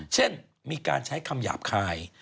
เช่นมีการใช้คำหยาบคาย